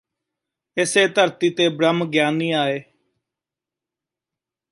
ਇਸੇ ਧਰਤੀ ਤੇ ਬ੍ਰਹਮ ਗਿਆਨੀ ਆਏ